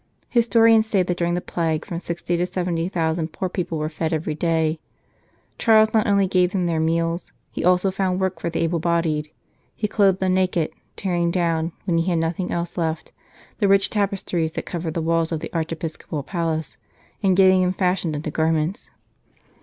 Historians say that during the plague from sixty to seventy thousand poor people were fed every day. Charles not only gave them their meals, he also found work for the able bodied ; he clothed the naked, tearing down, when he had nothing else left, the rich tapestries that covered the walls of the archiepiscopal palace and getting them fashioned into garments.